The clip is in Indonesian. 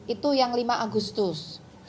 itu yang lima agustus